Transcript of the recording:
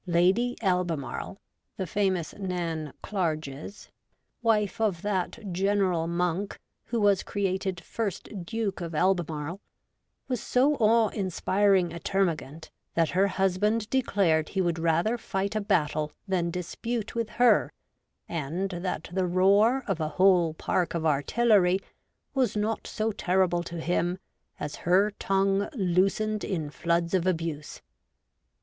Lady Albemarle, the famous Nan Clarges, wife of that General Monk who was created first Duke of Albemarle, was so awe inspiring a termagant that her husband declared he would rather fight a battle than dispute with her, and that the roar of a whole park of artillery was not so terrible to him as her tongue loosened in 64 REVOLTED WOMAN. floods of abuse.